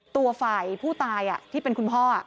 ตัวฝ่ายผู้ตายที่เป็นคุณพ่อ